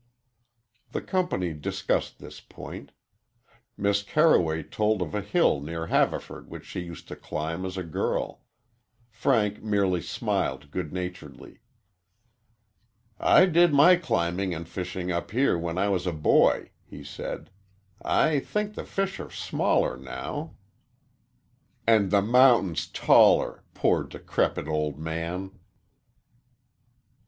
The company discussed this point. Miss Carroway told of a hill near Haverford which she used to climb, as a girl. Frank merely smiled good naturedly. "I did my climbing and fishing up here when I was a boy," he said. "I think the fish are smaller now " "And the mountains taller poor, decrepit old man!"